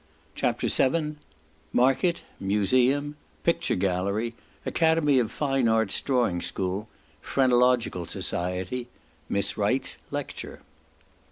CHAPTER VII Market—Museum—Picture Gallery—Academy of Fine Arts Drawing School—Phrenological Society—Miss Wright's Lecture.